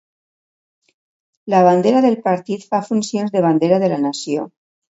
La bandera del partit fa funcions de bandera de la nació.